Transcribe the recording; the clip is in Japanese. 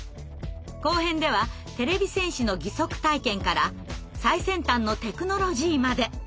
後編ではてれび戦士の義足体験から最先端のテクノロジーまで。